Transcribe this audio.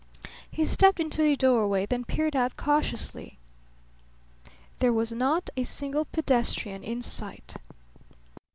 He stepped into a doorway, then peered out cautiously. There was not a single pedestrian in sight.